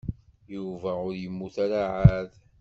Yuba ur yemmut ara ɛad.